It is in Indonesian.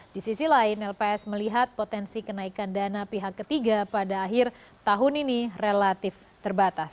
di sisi lain lps melihat potensi kenaikan dana pihak ketiga pada akhir tahun ini relatif terbatas